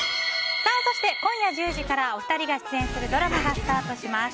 そして、今夜１０時からお二人が出演するドラマがスタートします。